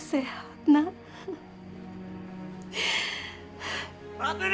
saya wilayah alamualazi rotsman